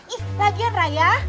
ih lagi kan raya